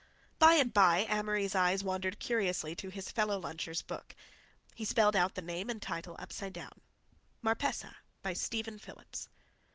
By and by Amory's eyes wandered curiously to his fellow luncher's book. He spelled out the name and title upside down—"Marpessa," by Stephen Phillips.